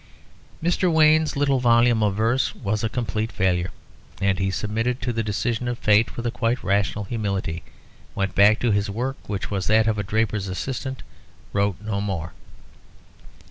Mr. Wayne's little volume of verse was a complete failure; and he submitted to the decision of fate with a quite rational humility, went back to his work, which was that of a draper's assistant, and wrote no more.